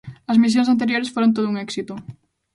As misións anteriores foron todo un éxito.